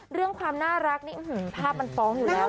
เรื่องความน่ารักนี่ภาพมันฟ้องอยู่แล้ว